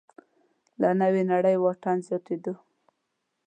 له نوې نړۍ واټن زیاتېدو